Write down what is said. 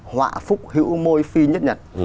họa phúc hữu môi phi nhất nhật